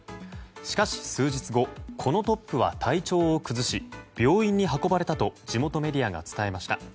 しかし数日後このトップは体調を崩し病院に運ばれたと地元メディアが伝えました。